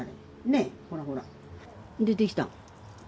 ほらほら、出てきた。